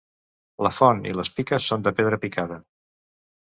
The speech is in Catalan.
La font i les piques són de pedra picada.